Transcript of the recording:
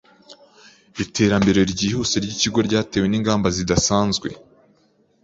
Iterambere ryihuse ryikigo ryatewe ningamba zidasanzwe.